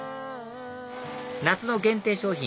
夏の限定商品